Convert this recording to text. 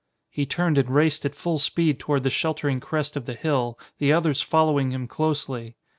He turned and raced at full speed toward the sheltering crest of the hill, the others following him closely.